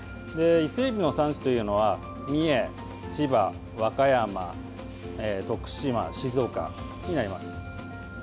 伊勢えびの産地というのは三重、千葉、和歌山、徳島静岡になります。